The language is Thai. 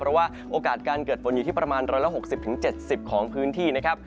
เพราะว่าโอกาสการเกิดฝนอยู่ที่ประมาณ๑๖๐๗๐ของพื้นที่นะครับ